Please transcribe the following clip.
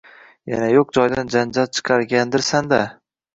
Yana yo`q joydan janjal chiqargandirsan-da